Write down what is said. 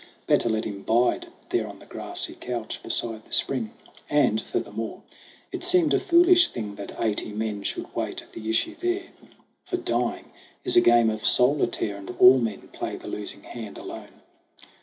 Better let him bide There on the grassy couch beside the spring. And, furthermore, it seemed a foolish thing That eighty men should wait the issue there; For dying is a game of solitaire And all men play the losing hand alone.